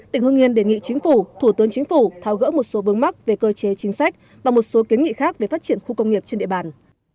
tỉnh hương yên đề nghị chính phủ thủ tướng chính phủ tháo gỡ một số vướng mắc về cơ chế chính sách và một số kiến nghị khác về phát triển khu công nghiệp trên địa bàn